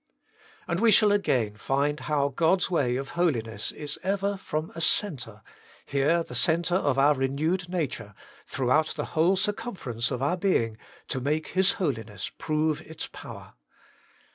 And we shall again find how God's way of holiness is ever from a centre, here the centre of our renewed nature, throughout the whole circumference of our being, to make His Holiness prove its power.